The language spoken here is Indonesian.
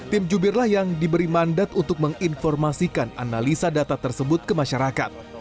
tim jubirlah yang diberi mandat untuk menginformasikan analisa data tersebut ke masyarakat